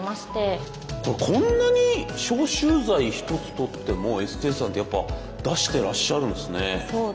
これこんなに消臭剤一つとってもエステーさんってやっぱ出してらっしゃるんですね。